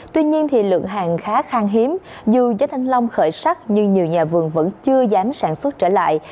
tuy nhiên lượng hàng khá khang hiếm dù giá thanh long khởi sắc nhưng nhiều nhà vườn vẫn chưa dám sản xuất trở lại